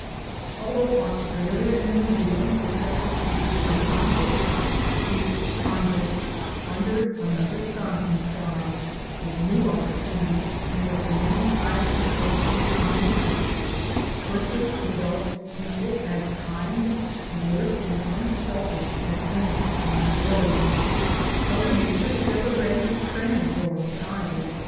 Although Australia and New Zealand were set tled chiefly by convicts, these convicts under an other sun and sky, with new opportunities and with the many sided helpfulness of nature, quickly developed people as kind, alert, and unselfish as any upon the globe. Mother Nature is ever ready to train the growing child.